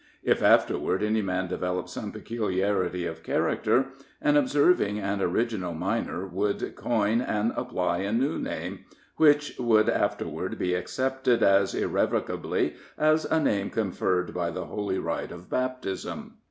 if, afterward, any man developed some peculiarity of character, an observing and original miner would coin and apply a new name, which would afterward be accepted as irrevocably as a name conferred by the holy rite of baptism.